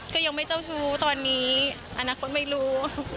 ก็ยังไม่เจ้าชู้ตอนนี้อนาคตไม่รู้